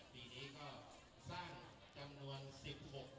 ปีนี้ก็สร้างจำนวน๑๖ชุดอยู่